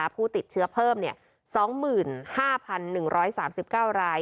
ผู้ติดเชื้อเพิ่ม๒๕๑๓๙ราย